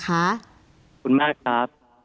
ขอบคุณมากครับ